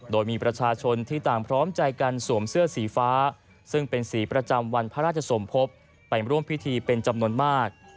โดยมีประชาชนที่ต่างพร้อมใจกันสวมเสื้อสีฟ้าซึ่งเป็นสีประจำวันพระราชสมภพไปร่วมพิธีเป็นจำนวนมาก